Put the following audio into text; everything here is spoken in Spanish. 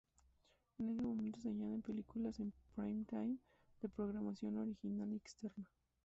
En ese momento se añaden películas en prime time, de programación original y externa.